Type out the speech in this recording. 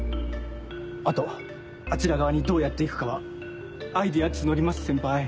あとあちら側にどうやって行くかはアイデア募ります先輩。